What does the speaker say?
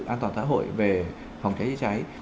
an toàn xã hội về phòng cháy cháy